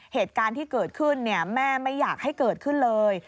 เหตุการณ์ที่เกิดขึ้นแม่ไม่อยากให้เกิดขึ้นเลย